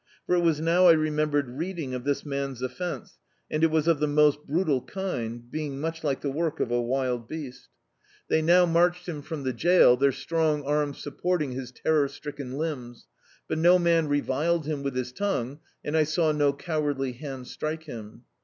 For it was now I remembered reading of this man's of fence, and it was of the most brutal kind, being much like the work of a wild beasL They now D,i.,.db, Google The Autobiography of a Super Tramp marched him from the jail, their strong arms sup porting his terror stricken limbs, but no man reviled him with his tongue, and I saw no cowardly hand strike him.